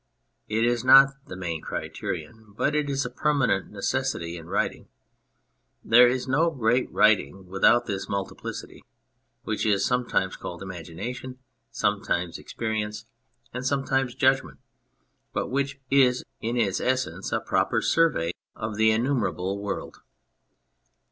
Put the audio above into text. It is not the main criterion ; but it is a permanent necessity in great writing. There is no great writing without this multiplicity, which is sometimes called imagination, sometimes experience, and sometimes judgment, but which is in its essence a proper survey of the innumerable world.